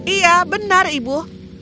iya benar ibu